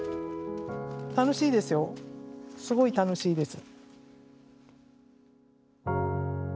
楽しいですよ、すごい楽しいです。